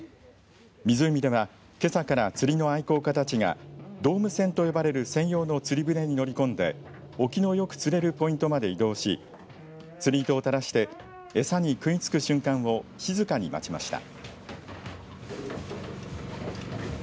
湖では、けさから釣りの愛好家たちがドーム船と呼ばれる専用の釣り船に乗り込んで沖のよく釣れるポイントまで移動し釣り糸をたらして餌に食いつく瞬間を静かに待ちました。